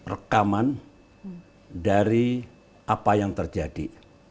rekaman dari apa yang terjadi